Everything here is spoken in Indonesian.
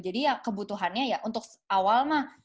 jadi kebutuhannya ya untuk awal mah